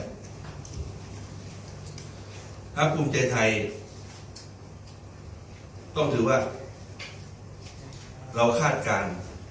พระคุมเจย์ไทยต้องถือว่าเราคาดการณ์